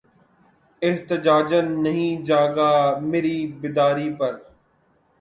احتجاجاً نہیں جاگا مری بیداری پر